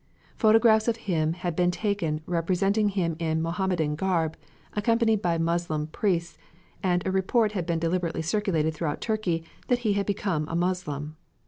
Photographs of him had been taken representing him in Mohammedan garb, accompanied by Moslem priests, and a report had been deliberately circulated throughout Turkey that he had become a Moslem.